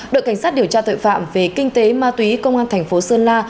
đội cảnh sát điều tra tội phạm về kinh tế ma túy công an thành phố sơn la